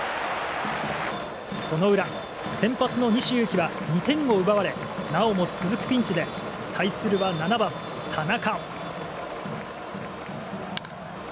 その裏、先発の西勇輝は２点を奪われなおも続くピンチで対するは７番、田中。